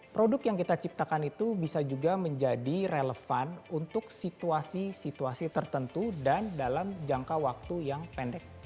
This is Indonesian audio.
produk yang kita ciptakan itu bisa juga menjadi relevan untuk situasi situasi tertentu dan dalam jangka waktu yang pendek